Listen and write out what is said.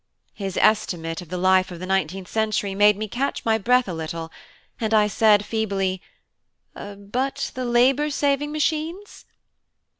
His estimate of the life of the nineteenth century made me catch my breath a little; and I said feebly, "But the labour saving machines?"